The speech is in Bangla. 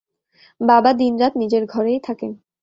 বাবা দিন-রাত নিজের ঘরেই থাকেন।